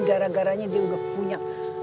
gara garanya dia udah punya